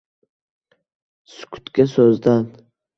sukutga so’zdan.